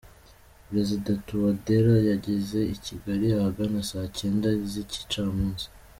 Perezida Touadera yageze i Kigali ahagana saa cyenda z’igicamunsi.